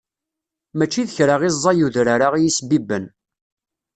Mačči d kra i ẓẓay udrar-a iyi-sbibben.